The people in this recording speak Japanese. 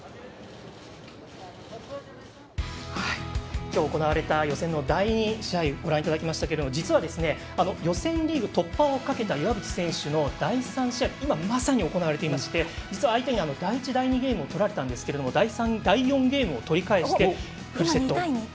きょう行われた予選の第２試合見ていただきましたけれども実は、予選リーグ突破をかけた岩渕選手の第３試合、今まさに行われていまして相手の第１、第２ゲームをとられたんですけど第３、第４ゲームを取り返してフルセット。